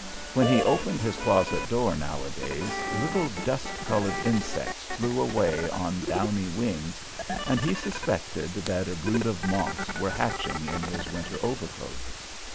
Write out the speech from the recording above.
When he opened his closet door now a days, little dust coloured insects flew out on downy wing, and he suspected that a brood of moths were hatching in his winter overcoat.